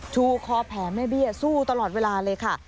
ชูคอแผลแม่เบี้ยสู้ตลอดเวลาเลยค่ะ